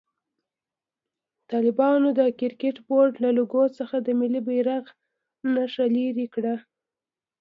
طالبانو د کرکټ بورډ له لوګو څخه د ملي بيرغ نښه لېري کړه.